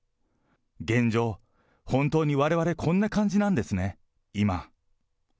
現状、本当にわれわれこんな感じなんですね、今。